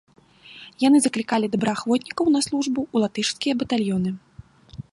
Яны заклікалі добраахвотнікаў на службу ў латышскія батальёны.